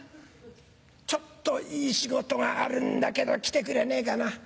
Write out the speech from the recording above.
ちょっといい仕事があるんだけど来てくれねえかな。